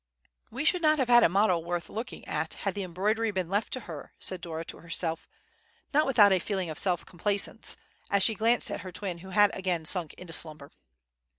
"We should not have had a model worth looking at had the embroidery been left to her," said Dora to herself, not without a feeling of self complacence, as she glanced at her twin who had again sunk into slumber.